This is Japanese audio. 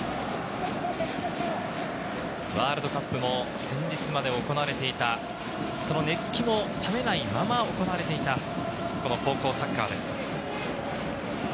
ワールドカップも先日まで行われていた、その熱気も冷めないまま行われている、この高校サッカーです。